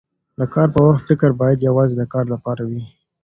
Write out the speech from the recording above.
د کار پر وخت فکر باید یواځې د کار لپاره وي.